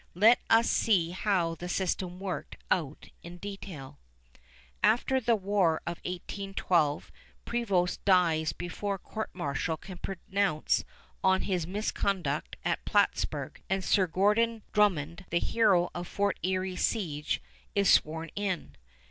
Let us see how the system worked out in detail. After the War of 1812 Prevost dies before court martial can pronounce on his misconduct at Plattsburg, and Sir Gorden Drummond, the hero of Fort Erie's siege, is sworn in.